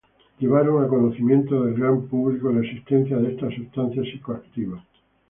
Llevaron a conocimiento del gran público la existencia de esas sustancias psicoactivas.